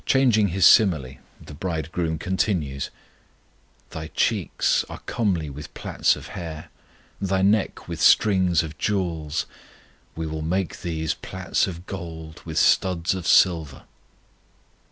Changing His simile, the Bridegroom continues: Thy cheeks are comely with plaits of hair, Thy neck with strings of jewels. We will make thee plaits of gold With studs of silver.